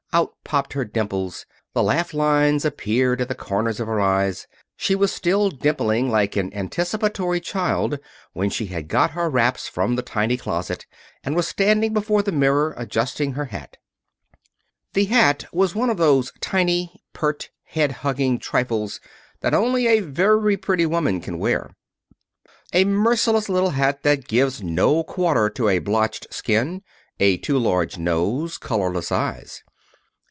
Out popped her dimples! The laugh lines appeared at the corners of her eyes. She was still dimpling like an anticipatory child when she had got her wraps from the tiny closet, and was standing before the mirror, adjusting her hat. [Illustration: "It had been a whirlwind day"] The hat was one of those tiny, pert, head hugging trifles that only a very pretty woman can wear. A merciless little hat, that gives no quarter to a blotched skin, a too large nose, colorless eyes.